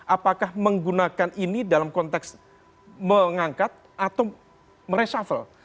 apakah menggunakan ini dalam konteks mengangkat atau mereshuffle